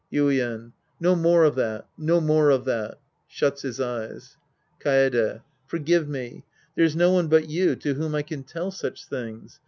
Yuien. No more of that. No more of that. {Shuts his eyes.) Kaede. Forgive me. There's no one but you to whom I can tell such things.